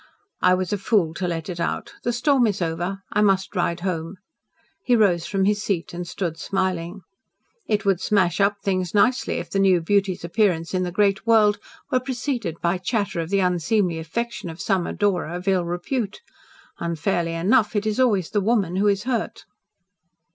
I was a fool to let it out. The storm is over. I must ride home." He rose from his seat and stood smiling. "It would smash up things nicely if the new beauty's appearance in the great world were preceded by chatter of the unseemly affection of some adorer of ill repute. Unfairly enough it is always the woman who is hurt."